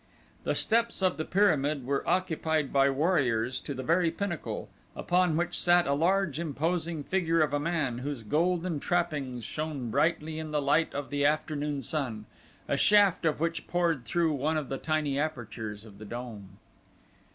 The steps of the pyramid were occupied by warriors to the very pinnacle, upon which sat a large, imposing figure of a man whose golden trappings shone brightly in the light of the afternoon sun, a shaft of which poured through one of the tiny apertures of the dome.